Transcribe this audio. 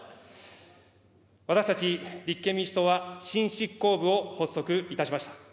私たち立憲民主党は、新執行部を発足いたしました。